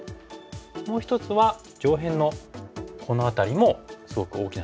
もう一つは上辺のこの辺りもすごく大きなとこですよね。